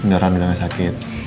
beneran udah gak sakit